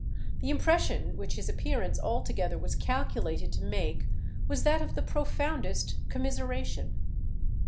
The impression which his appearance altogether was calculated to make was that of the profoundest commiseration."